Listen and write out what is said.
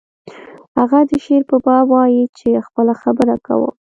هغه د شعر په باب وایی چې خپله خبره کوم